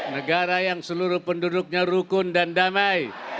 negara yang seluruh penduduknya rukun dan damai